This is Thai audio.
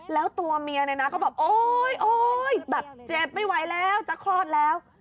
แล้วตัวเมียในหน้าก็แบบโอ๊ยแบบเจ็ดไม่ไหวแล้วจะคลอดแล้ว